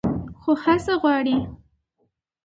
خو هڅه غواړي.